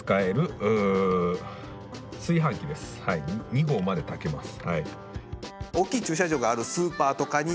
２合まで炊けます。